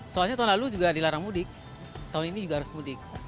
soalnya tahun lalu juga dilarang mudik tahun ini juga harus mudik